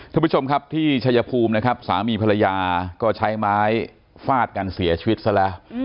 ท่านผู้ชมครับที่ชายภูมินะครับสามีภรรยาก็ใช้ไม้ฟาดกันเสียชีวิตซะแล้ว